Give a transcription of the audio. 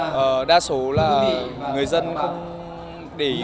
do đa số là người dân không để ý quan trọng